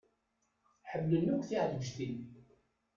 Ḥemmlen akk tiɛleǧtin.